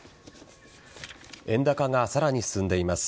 円高がさらに進んでいます。